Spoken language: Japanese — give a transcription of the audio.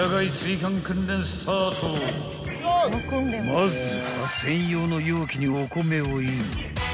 ［まずは専用の容器にお米をイン］